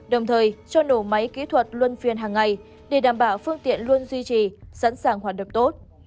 đồng thời cho nổ máy kỹ thuật luân phiên hàng ngày để đảm bảo phương tiện luôn duy trì sẵn sàng hoạt động tốt